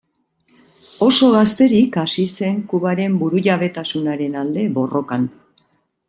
Oso gazterik hasi zen Kubaren burujabetasunaren alde borrokan.